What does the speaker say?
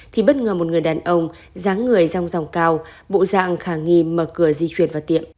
thì bất ngờ một người đàn ông dáng người rong ròng cao bộ dạng khả nghi mở cửa di chuyển vào tiệm